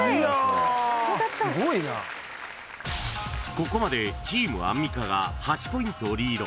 ［ここまでチームアンミカが８ポイントリード］